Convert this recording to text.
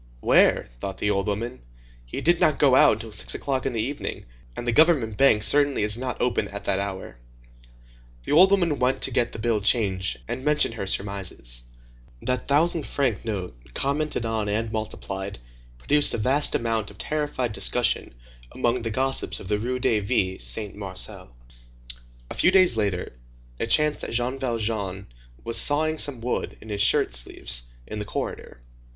"Where?" thought the old woman. "He did not go out until six o'clock in the evening, and the government bank certainly is not open at that hour." The old woman went to get the bill changed, and mentioned her surmises. That thousand franc note, commented on and multiplied, produced a vast amount of terrified discussion among the gossips of the Rue des Vignes Saint Marcel. A few days later, it chanced that Jean Valjean was sawing some wood, in his shirt sleeves, in the corridor.